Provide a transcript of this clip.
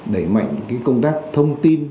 đẩy mạnh cái công tác thông tin